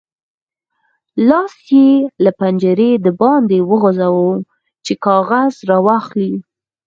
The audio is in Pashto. لاس یې له پنجرې د باندې وغځاوو چې کاغذ راواخلي.